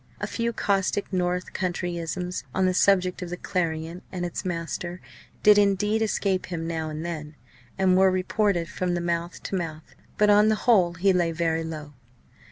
A few caustic north countryisms on the subject of the Clarion and its master did indeed escape him now and then, and were reported from mouth to mouth; but on the whole he lay very low.